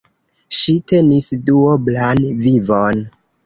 Ŝi tenis duoblan vivon.